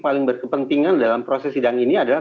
paling berkepentingan dalam proses sidang ini adalah